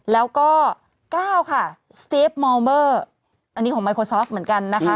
แล้วก็๙ค่ะสเตฟมอลเบอร์อันนี้ของไมโครซอฟเหมือนกันนะคะ